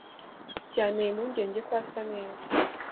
Byanteye impungenge ko asa neza.